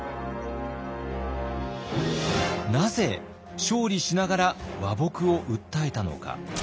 なぜ勝利しながら和睦を訴えたのか？